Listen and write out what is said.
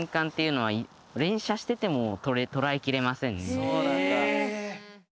そうなんだ。